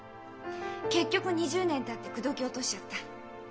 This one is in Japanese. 結局２０年たって口説き落としちゃった。